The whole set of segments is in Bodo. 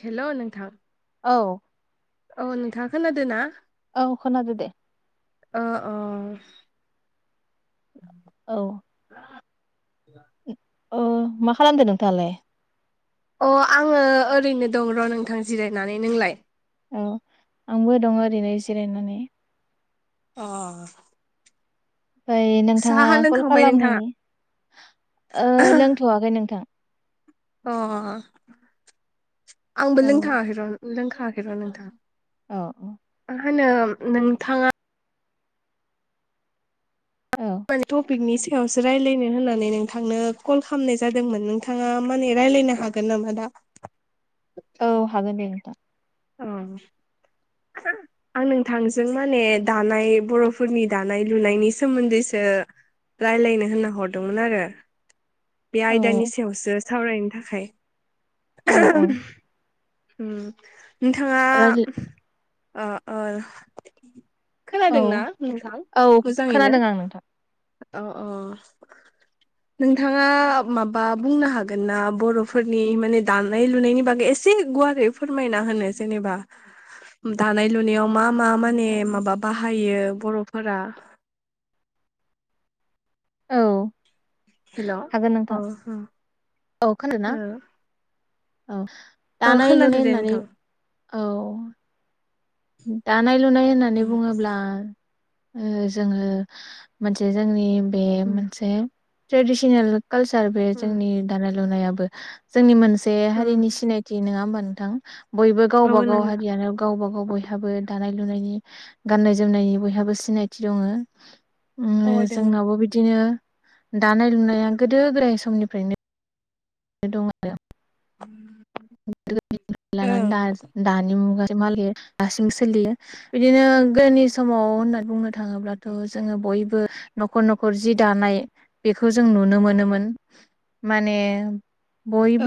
हेलौ नोंथां औ अ नोंथाङा खोनादों ना औ खोनादो दे। अ अ औ [unintelligible] अ मा खालामदो नोंथाङालाय? अ आङो ओरैनो दं र' नोंथां जिरायनानै नोंलाय? औ आंबो दङ ओरैनो जिरायनानै अ ओमफ्राय नोंथाङा कल नोंथाङा खालामनायनि ओ लोंथ'वाखै नोंथां। अ आंबो औ लोंथाखै र' लोंखाखै र' नोंथां औ औ मा होनो नोंथाङा? औ यावसो रायलायनो होननानै नोंथांनो कल खालामनाय जादोंमोन नोंथाङा माने रायज्लायनो हागोन नामा दा [inaudible] औ हागोन दे नोंथां। अ आं नोंथांजों माने दानाय बर'फोरनि दानाय लुनायनि सोमोन्दैसो रायलायनो होनना हरदोंमोन आरो बे आयदानि औ सायावसो सावरायनो थाखाय औ औ उम नोंथाङा रायज्ल ओ ओ औ खोनादोंना नोंथां औ मोजाङैनो खोनादों आं नोंथां। अ अ नोंथाङा माबा बुंनो हागोन ना बर'फोरनि माने दानाय लुनायनि बागै एस एसे गुवारै फोरमायना होनो जेनेबा दानाय लुनायाव मा? मा माने माबा बाहायो बर'फोरा औ हेल' हागोन अ नोंथां औ खोनादोंना औ ओ दानाय खोनादो लुनाय दे होननानै नोंथां औ दानाय लुनाय होननानै उम बुङोब्ला जोङो मोनसे जोंनि बे उम मोनसे ट्रेडिसनेल खालसार बे जोंनि दानाय लुनायाबो जोंनि मोनसे उम हारिनि सिनायथि नङा होमबा नोंथां बयबो औ गावब गाव नोंगो हारियानो गावब गाव बयहा नो दानाय लुनायनि गान्नाय जोमनायनि बयहाबो सिनायथि दङ ओम अ दोङो जोंनावबो बिदिनो दानाय लुनाया गोदो गोदाय समनिफ्रायनो दं आ दो लानानै ओं दा दानि मुगा मालिय दासिं सोलियो बिद दिनो गोनि समाव होनना बुंनो थाङोब्लाथ' जोङो बयबो न'खर न'खर जि दानाय बेखौ जों नुनो मोनोमोन माने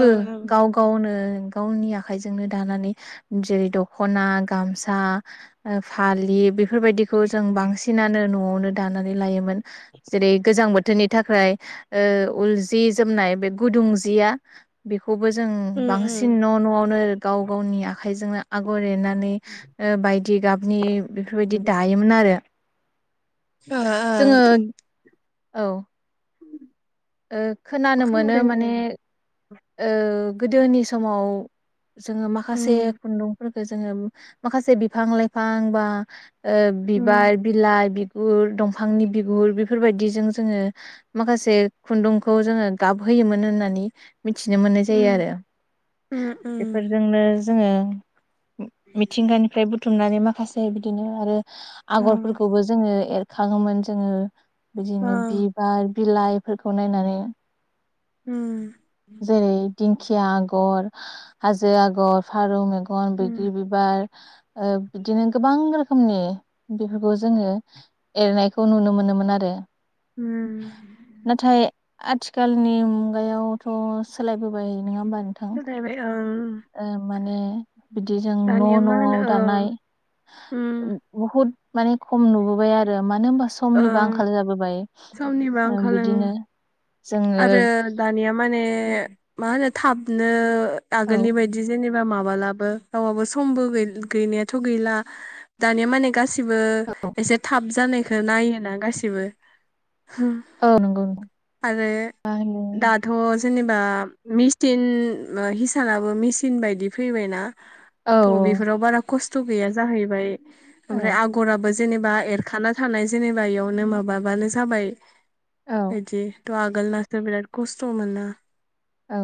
ओं ओं गाव गावनो गावनि आखाइजोंनो दानानै जेरै दख'ना गामसा फालि बेफोर फोरबायदिखौ जों बांसिनानो न'आवनो दानानै लायोमोन जेरै गोजां बोथोर थोनि थाखाय ओ उल जि जोमनाय बे गुदुं जिया बेखौबो जों उम उम बांसिन न' न'आवनो गाव गावनि आख आखायजोंनो आगर एरनानै ओ बायदि गाबनि बेफोरबायदि दायोमोन आरो ओ ओ जोङो औ ओ खोनानो खोनादों मोनो दे माने नोंथां ओ गोदोनि समाव जोङो माखासे उम खुन्दुंफोरखो जोङो माखासे बिफां लाइफां बा ओ उम बिबार बिलाइ बि गुर दंफांनि बिगुर बेफोरबायदिजों जोङो माखासे खुन्दुंखौ जोङो गाबहोयोमोन होननानै मिथिनो मोननाय जायो उम आरो उम उम बेफोरजोंनो जोङो मिथिंगानिफ्राय बुथुमनानै माखासे बिदिनो आरो औ आगरफोरखौबो जोङो एर खाङोमोन जोङो बिदिनो औ बिबार बिलाइफोरखौ नायनानै ओम जेरै दिंखिया आगर हाजो आगर फारौ मेगन गन उम बैग्रि बिबार ओ बिदिनो गोबां गो खोमनि बेफोरखौ जोङो एरनायखौ नुनो मोनोमोन आरो उम नाथाय आथिखालनि मुगायाव अ सोलायबोबाय नङा ओमबा नोंथां सोलायबाय ओं ओ माने बिदि जों दानिया न' मा होनो न'आव दानाय ओं उम बहुद माने खम नुबोबाय आरो मानो होनबा समनिबो ओं आंखाल जाबोबाय समनिबो आंखाल ओं बिदिनो जोङो आरो दानिया माने बा औ माबालाबो रावाबो समबो गै गैनायाथ' गैला दानिया माने गासिबो बो औ एसे थाब जानायखो नायोना गासिबो औ नंगौ नं आरो दाथ' ज जेनेबा मिचटिन हिसानाबो मेचिन बायदि फैबायना औ त' बिफोराव बारा खस त' गैया जाहैबाय औ ओमफ्राय आगराबो जेनेबा एरखाना थानाय जेनेबा इयावनि माबाबा बानो जाबाय औ बायदि त' आगोलनासो बिराद कस्त' मोना औ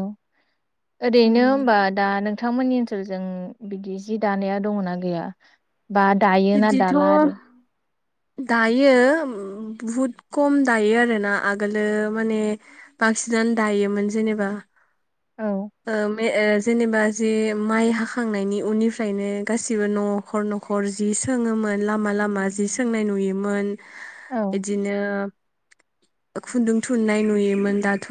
ओरैनो ओमबा दा नोंथांमोननि ओन सोलजों बिदि जि दानाया दङना गैया बा दायो ना बिदिथ' दाला आरो दायो बुहुद कम दायो आरोना आगोलो माने बांसिन नान दायोमोन जेनेबा औ। बे ए जेनेबा जि माइ हाखांनायनि उननिफ्रायनो गासिबो न'खर न'खर जि सोङोमोन लामा लामा जि सोंनाय नुयोमोन औ इदिनो खुन्दुं थुननाय नुयोमोन दाथ'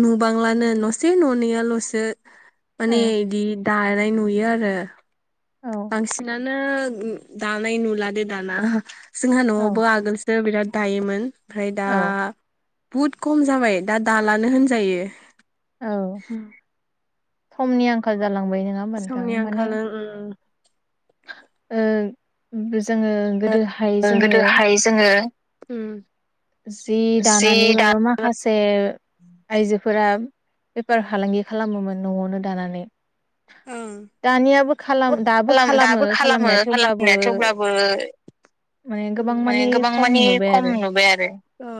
नुबांलानो नसे ननैयाल'सो औ माने बिदि दानाय नुयो आरो औ बांसिनानो दानाय नुलादे दाना जोंहा औ न'आवबो आगोलसो बिराद दायोमोन ओमफ्राय दा औ बुहुद खम जाबाय दा दालानो होनजायो औ समनि आंखाल जालांबाय नङा मोनथां समनि माने आंखाल ओं ओं ओह ओ गोदोहाय जोङो उम जि जि दा दानानैबाबो माखासे आइजोफोरा बेफार फालांगि खालामोमोन न'आवनो दानानै दानियाबो [unintelligible] खालाम ओं दाबो खालामो दाबो खालामो खालामनाया थेवब्लाबो खालामनाया थेवब्लाबो माने उम गोबां माने मानि गोबां खम मानि नुबाय खम आरो नुबाय आरो अ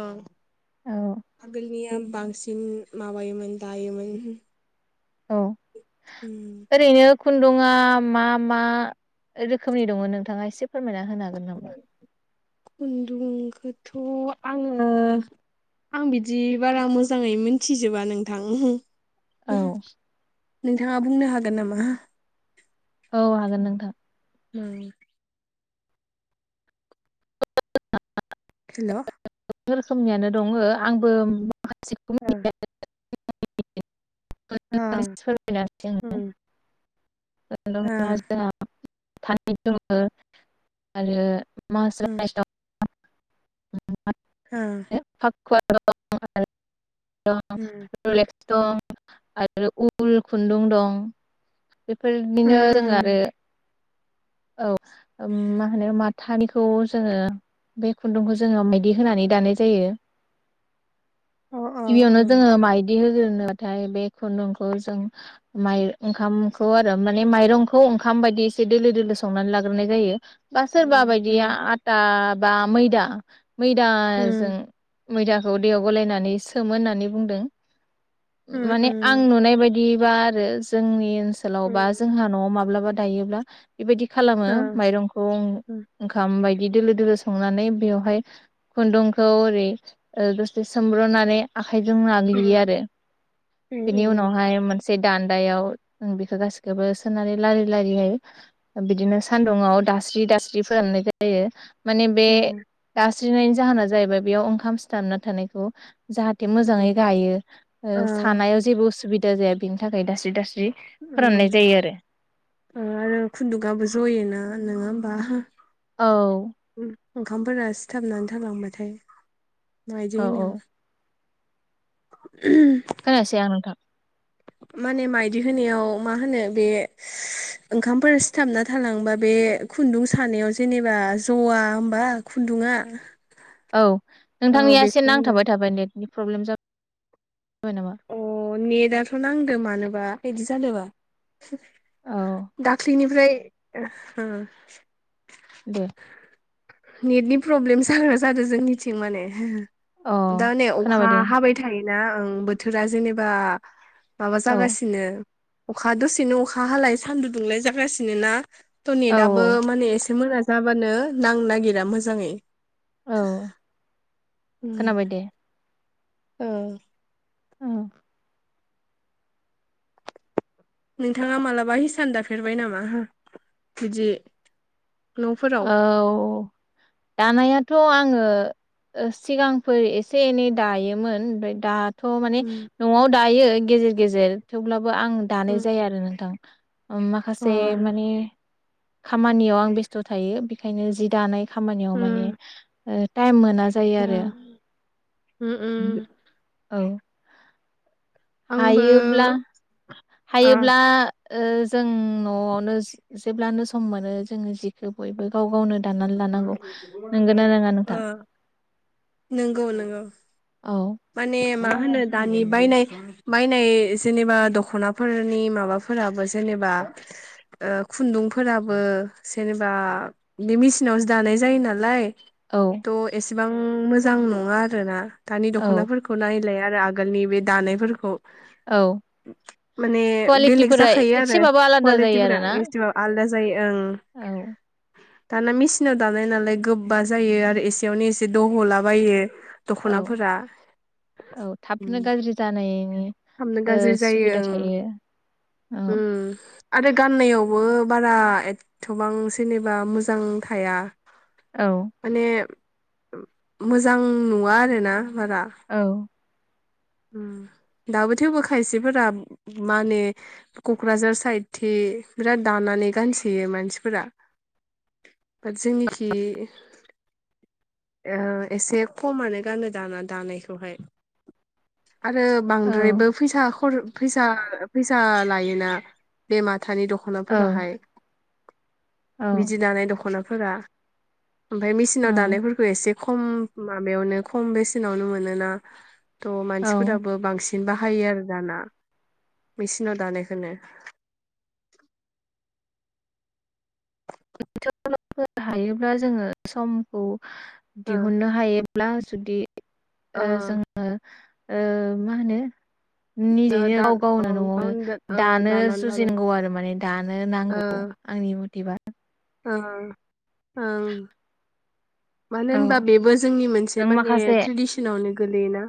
औ आगोलनि बांसिन माबायोमोन दायोमोन औ उम खुन्दुुंआ मा मा रोखोमनि दङ नोंथाङा एसे फोरमायना होनो हागोन नामा? खुन्दुंखौथ' आङो आं बिदि बारा मोजाङै मिथिजोबा नोंथां औ। नोंथाङा बुंनो हागोन नामा औ हागोन नोंथां उम [unintelligible] हेलौ गोबां रोखोमनियानो दङ ओ आंबो अ अ अ [unintelligible] [unintelligible] [unintelligible] आरो [unintelligible] फाखुवा दं आरो उल खुन्दुं दं बेफोरदिनो रोङो आरो [unintelligible] औ मा होनो माथानिखौ जोङो बे खुन्दुंखौ जोङो मै होनानै दानाय जायो अ गिबआव नो अ जोङो माइदि हो नाथाय बे खुन्दुंखौ जों माय ओंखामखौ आरो माने माइरंखौ ओंखाम बायदि एसे दोलो दोलो संनानै लाग्रोनाय जायो बा सोरबा बायदिया आटा बा मैदा मैदाजों मैदाखौ दैयाव गलायनानै सोमोन होननानै बुंदों माने आं नुनाय बायदि बा आरो जोंनि ओनसोलाव बा जोंहा न'आव माब्लाबा दायोब्ला बेबायदि खालामो माइरंखौ ओंखाम बायदि दोलो दोलो संनानै बेवहाय खुन्दुंखौ ओरै दसेसे सोमब्र नानै आखाइजों नाग्लियो आरो बेनि उनावहाय मो दान्दायाव बेखौ गासिखौबो सोनानै लारि लारियो बिदिनो सान्दुुंआव दास्रि दास्रि फोराननाय जायो माने बे दास्रिनायनि जाहोना जाहैबाय बेयाव ओंखाम सिथाबना थानायखौ जाहाथे मोजाङै गायो सानायाव जेबो उसुबिदा जाया बेनि थाखाय दास्रि दास्रि उम फोराननाय जायो आरो [inaudible] आरो खुन्दुकआो जयोना नंङा होमबा औ उम ओंखामफोरा सिथाबनानै थालांबाथाय मदि औ होनो औ खोनयासै आं नोंथां [inaudible] माने माइदि होनायाव मा होनो बे ओंखामफोर सिथाबना थालांबा बे खुन्दुं सानायाव जेनेबा जवा होमबा खुन्दुंङा औ नोंथांनिया एसे नांथाबाय थाबाय नेटनि प्रब्लेम जाबाय नामा अ नेटआथ' नांदों मानोबा बिदि जादोंबा औ दाख्लैनिफ्राय दे नेटनि प्रब्लेम जाग्रा जादों जोंनिथिं माने अ दा नै अखा खोनाबाय दे हाबाय थायो ना ओं बोथोरा जेनेबा माबा औ जागासिनो अखा दसेनो अखा हालाय सान्दुं दुंलाय जागासिनो ना थ औ नेटआबो माने एसे बिथांमोना जाबानो नांनो नागिरा मोजाङै औ [inaudible] उ खोनाबाय दे औ औ नोंथाङा मालाबा हिसान दाफेरबाय नामा बिदि न'फोराव औ दानायाथ' आं आङो सिगांफोर एसे एनै दायोमोन ओमफ्राय दा थ' माने उम न'आव दायो गेजेर गेजेर थेवब्लाबो आं दानाय उम जाया आरो नोंथां अ माखासे माने खामानियाव आं बेस्थ' थायो बेखायनो जि दानाय खामानियाव माने उम ओ टाइम मोना ना जायो औ आरो उम उम औ आंबो हायोब्ला [inaudible] ओ हायोब्ला ओ जों न'आवनो जेब्लानो सम मोनो जोङो जिखौ बयबो गाव गावनो दा लानांगौ नंगौना नङा नोंथां? नंगौ नंगौ। औ माने मा होनो दानि बायनाय बायनाय जेनेबा दख'नाफोरनि माबाफोरा गाब जेनेबा ओ खुन्दुंफोराबो जेनेबा बे मेसिनावसो दानाय जायो नालाय औ थ' एसेबां मोजां नङा आरो ना दानि औ दख'नाफोरखौ नाय बिलाय आरो आगोलनि बे दानायफोरखौ औ माने बेलेग कुवालिटिफोरा जाखायो आरो एसेबाबो आलादा जायो कुवालिटिफ्रा आरोना एसेबां आलदा जायो ओं औ [inaudible] दाना मेसिनाव दानाय नालाय गोबा जायो आरो एसेयावनो एसे दह'लाबायो औ दख'नाफोरा औ थाबनो गाज्रि जानायनि सुबिदा थायो औ उ आरो गाननायावबो बो बारा एथबां जेनेबा मोजां थाया औ माने मोजां नुवा आरो ना बारा औ दाबो थेवबो खायसेफोरा मा होनो क'क्राझार साइद थिं बिराद दानानै गानसोयो मानसिफोरा बाट जोंनिखि एसे खमानो गानो दाना दानायखौहाय। आरो औ बांद्रायबो फैसा फैसा लायोना बे मा माथानि औ दख'नाफोराहाय औ बिदि दानाय दख'नाफोरा ओमफ्राय मेसििनाव दानायफोरखौ एसे खम माबायावनो खम बेसेनावनो मोनो ना थ औ मानसिफोराबो बांसिन बिदिनो बाहायो आरो दाना मेसिनाव दानायखौनो। [unintelligible] हायोब्ला जोङो समखौ ओ दिहुननो हायोब्ला जुदि ओ जोङो ओ मा होनो निजेनो दा अ गाव-गावनो न'आवनो गावनो दा ओ दानो दानानै लादों जुजिनांगौ आरो माने दानो नांगौ। औ आंनि म ओ-ओं। मानो औ होनबा बेबो जोंनि मोनसे जों माने माखासे ट्रेडिसनावनो गोलैयोना।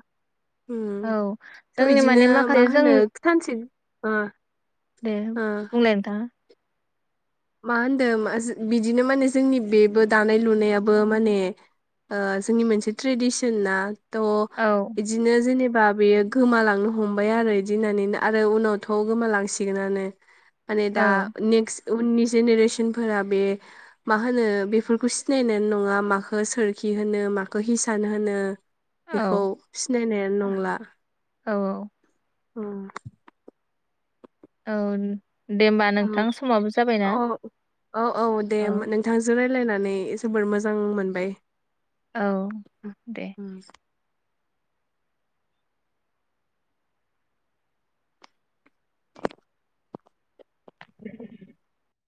उम औ थ' जोंनि बिदिनो माने मा माखासे जों होनो सानसे ओ दे ओ बुंलाय नोंथाङा। मा होनदों माज- बिदिनो माने जोंनि बेबो दानाय लुनायाबो माने ओ जोंनि मोनसे ट्रेडिसन ना थ' औ बिदिनो जेने बा बेयो गोमालांनो हमबाय आरो बिदि होननानै आरो उनावथ' गोमालांसिगोनानो। माने औ दा नेक्स् उननि जेनेरेसन फोरा बे मा होनो बेफोरखौ सिनायनायानो नङा माखौ सोरखि होनो माखौ हिसान होनो। बेखौ औ सिनायनायानो नंला औ उम। औन। औ-औ-औ-औ दे औ नोंथांजों राय लायनानै जोबोर मोजां मोनबाय। औ दे। उम